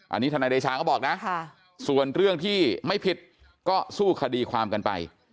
อันนี้ทนายเดชาก็บอกนะส่วนเรื่องที่ไม่ผิดก็สู้คดีความกันไป